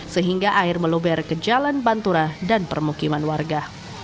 sehingga air meluber ke jalan pantura dan permukiman warga